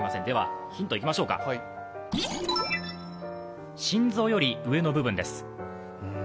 では、ヒントいきましょうか心臓より上の部分です。